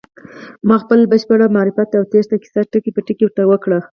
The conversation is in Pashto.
ما خپل بشپړ معرفت او تېښتې کيسه ټکی په ټکی ورته وکړه.